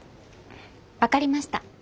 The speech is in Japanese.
分かりました。